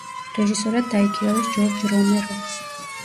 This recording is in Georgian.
რეჟისორად დაიქირავეს ჯორჯ რომერო.